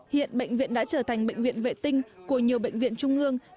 hiện bệnh viện đã trở thành bệnh viện vệ tinh của nhiều bệnh viện trung ương